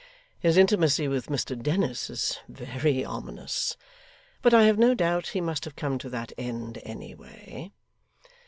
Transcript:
His intimacy with Mr Dennis is very ominous. But I have no doubt he must have come to that end any way.